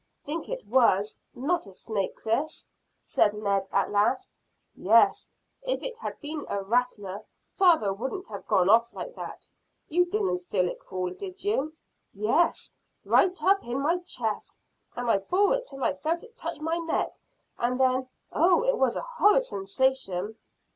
"Think it was not a snake, Chris?" said Ned, at last. "Yes. If it had been a rattler father wouldn't have gone off like that. You didn't feel it crawl, did you?" "Yes, right up in my chest, and I bore it till I felt it touch my neck, and then Oh, it was a horrid sensation!"